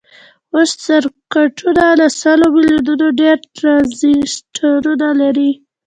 اوس سرکټونه له سلو میلیونو ډیر ټرانزیسټرونه لري.